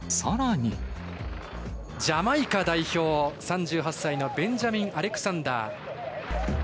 ジャマイカ代表、３８歳のベンジャミン・アレクサンダー。